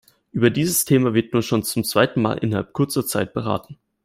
Über dieses Thema wird nun schon zum zweiten Mal innerhalb kurzer Zeit beraten.